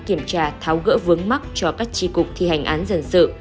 kiểm tra tháo gỡ vướng mắt cho các tri cục thi hành án dân sự